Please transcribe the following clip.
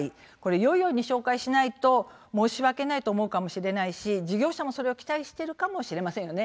よいように紹介しないと申し訳ないと思うかもしれないし事業者もそれを期待しているかもしれませんよね。